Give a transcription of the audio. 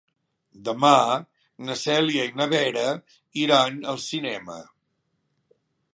Demà na Cèlia i na Vera iran al cinema.